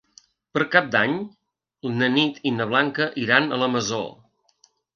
Per Cap d'Any na Nit i na Blanca iran a la Masó.